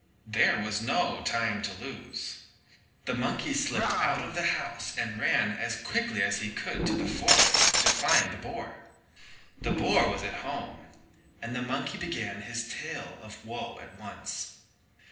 There was no time to lose. The monkey slipped out of the house and ran as quickly as he could to the forest to find the boar. The boar was at home, and the monkey began his tale of woe at once.